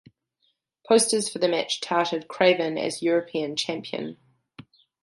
Posters for the match touted Cravan as European champion.